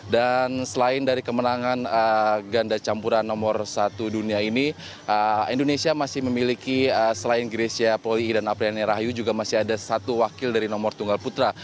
dan selain dari kemenangan ganda campuran nomor satu dunia ini indonesia masih memiliki selain gresia poli i dan apriani rahayu juga masih ada satu wakil dari nomor tunggal putra